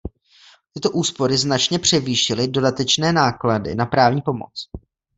Tyto úspory značně převýšily dodatečné náklady na právní pomoc.